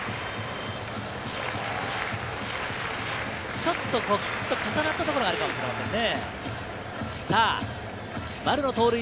ちょっと菊池と重なったところはあるかもしれないですね。